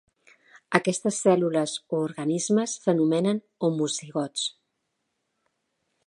Aquestes cèl·lules o organismes s'anomenen homozigots.